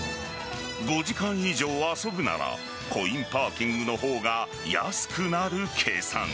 ５時間以上遊ぶならコインパーキングの方が安くなる計算。